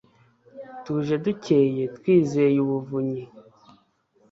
tuje dukeye twizeye ubuvunyi